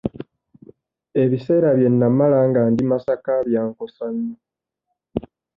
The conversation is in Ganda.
Ebiseera bye nnamala nga ndi Masaka byankosa nnyo.